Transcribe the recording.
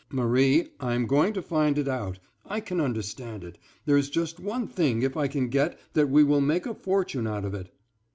"Marie, I am going to find it out—I can understand it—there is just one thing, if I can get that we will make a fortune out of it."